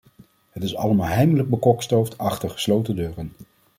Het is allemaal heimelijk bekokstoofd achter gesloten deuren.